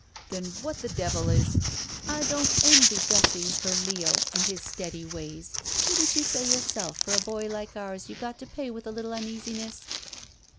•'Then what the devil is—" "I don't envy Gussie her Leo and his steady ways. Didn't you say yourself for a boy like ours you got to pay with a little uneasiness?"